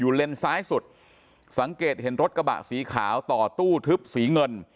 เลนซ้ายสุดสังเกตเห็นรถกระบะสีขาวต่อตู้ทึบสีเงิน